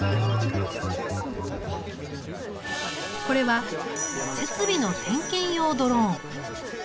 これは設備の点検用ドローン。